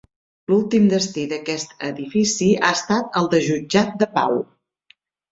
L'últim destí d'aquest edifici ha estat el de Jutjat de Pau.